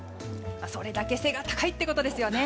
それだけ背が高いということですよね。